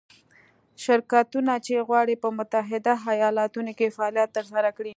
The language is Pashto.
شرکتونه چې غواړي په متحده ایالتونو کې فعالیت ترسره کړي.